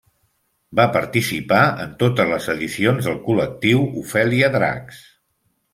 Va participar en totes les edicions del col·lectiu Ofèlia Dracs.